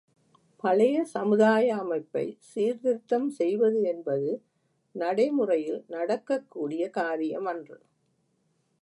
பழைய சமுதாய அமைப்பைச் சீர்திருத்தம் செய்வது என்பது நடைமுறையில் நடக்கக்கூடிய காரியமன்று.